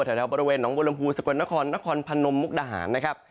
แถวบริเวณหนองบัวลำพูสกลนครนครพนมมุกดาหารนะครับ